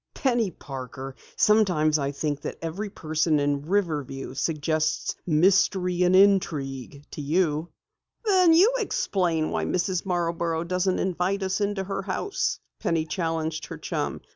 "Penny Parker, sometimes I think that every person in Riverview suggests mystery and intrigue to you!" "Then you explain why Mrs. Marborough doesn't invite us into her house!" Penny challenged her chum.